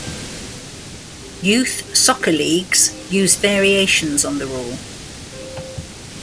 Youth soccer leagues use variations on the rule.